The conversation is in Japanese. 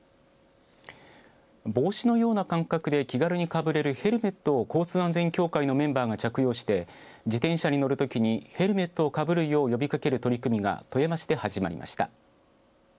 帽子のような感覚で気軽にかぶれるヘルメットを交通安全協会のメンバーが着用して自転車に乗るときにヘルメットをかぶるよう呼びかける取り組みが富山市で始まりました。